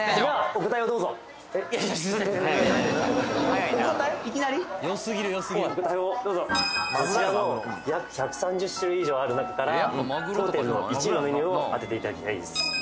お答えをどうぞこちらの約１３０種類以上ある中から当店の１位のメニューを当てていただきたいです